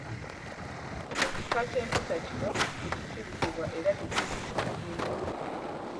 Ekika ky'empisa kino tekikkirizibwa era tekiri mu mateeka.